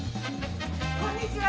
こんにちは。